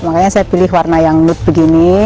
makanya saya pilih warna yang loop begini